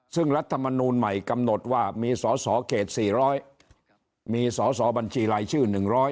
ซึ่งรัฐมนูลใหม่กำหนดว่ามีสอสอเขต๔๐๐มีสอสอบัญชีรายชื่อ๑๐๐